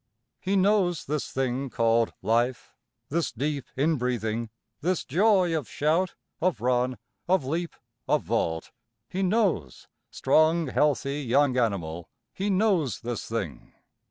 He knows this thing called Life, this deep inbreathing, this joy of shout, of run, of leap, of vault. He knows strong healthy young animal he knows this thing.